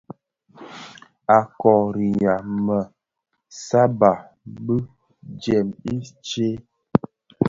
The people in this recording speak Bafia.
A kôriha më sàbà bi jèm i tsee.